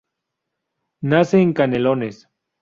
Nace en Canelones.